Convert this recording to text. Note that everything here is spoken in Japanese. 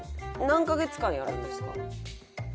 何カ月間やるんですか？